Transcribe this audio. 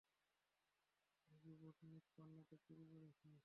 Robotnik পান্নাটা চুরি করছে!